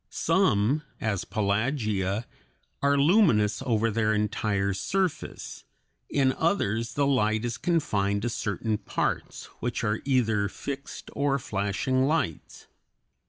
Some, as Pelagia, are luminous over their entire surface; in others, the light is confined to certain parts, which are either fixed or flashing lights.